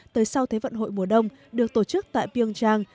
tới sau thế vận hội mùa đông được tổ chức tại pyeongchang